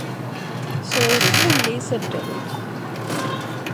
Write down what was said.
சோறு உள்ளே சென்றது.